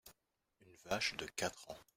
Une vache de quatre ans.